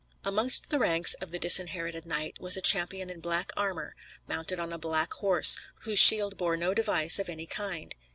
Amongst the ranks of the Disinherited Knight was a champion in black armour, mounted on a black horse, whose shield bore no device of any kind.